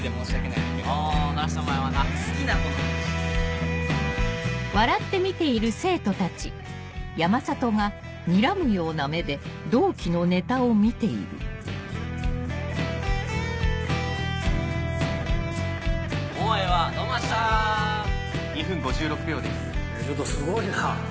いやちょっとすごいな。